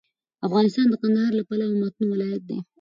افغانستان د کندهار له پلوه متنوع ولایت دی.